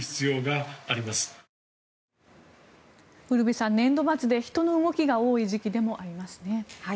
ウルヴェさん年度末で人の動きが多い時期でもありますね。